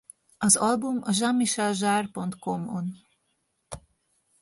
Az album a jeanmicheljarre.com-on